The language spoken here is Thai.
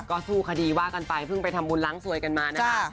ก็สู้คดีว่ากันไปเพิ่งไปทำบุญล้างสวยกันมานะคะ